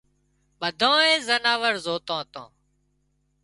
ٻڌانئي زناور زوتان تان